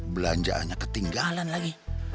belanjaannya ketinggalan lagi